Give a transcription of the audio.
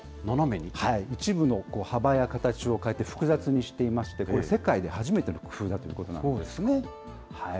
一部の幅や形を変えて、複雑にしていまして、世界で初めての工夫だということなんですね。